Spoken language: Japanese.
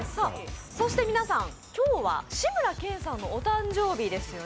そして皆さん、今日は志村けんさんのお誕生日ですよね。